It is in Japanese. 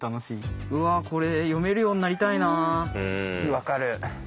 分かる。